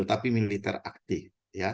tapi militer aktif